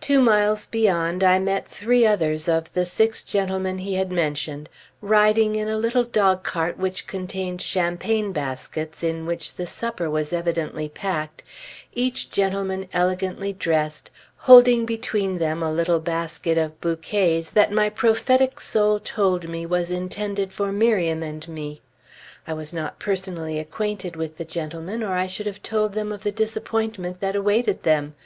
Two miles beyond, I met three others of the six gentlemen he had mentioned, riding in a little dogcart which contained champagne baskets in which the supper was evidently packed, each gentleman elegantly dressed, holding between them a little basket of bouquets that my prophetic soul told me was intended for Miriam and me. I was not personally acquainted with the gentlemen, or I should have told them of the disappointment that awaited them.